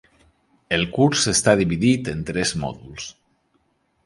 El curs està dividit en tres mòduls.